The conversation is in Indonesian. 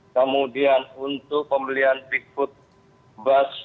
kemudian untuk pembelian bigfoot bus